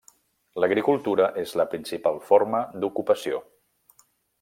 L'agricultura és la principal forma d'ocupació.